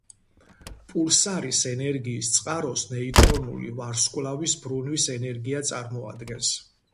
პულსარის ენერგიის წყაროს ნეიტრონული ვარსკვლავის ბრუნვის ენერგია წარმოადგენს.